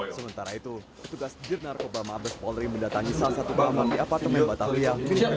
sementara itu petugas dir narkoba mabes polri mendatangi salah satu pahlawan di apartemen batavia